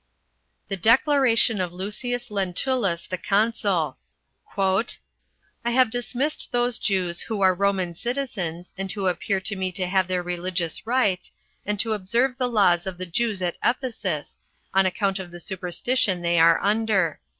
The declaration of Lucius Lentulus the consul: "I have dismissed those Jews who are Roman citizens, and who appear to me to have their religious rites, and to observe the laws of the Jews at Ephesus, on account of the superstition they are under.